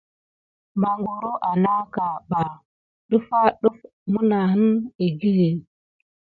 Magoro anaka ɓa defa def menane ékili.